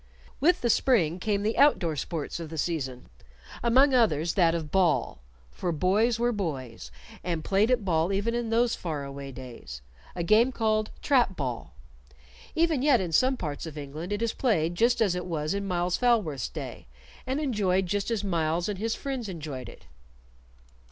With the spring came the out door sports of the season; among others that of ball for boys were boys, and played at ball even in those faraway days a game called trap ball. Even yet in some parts of England it is played just as it was in Myles Falworth's day, and enjoyed just as Myles and his friends enjoyed it.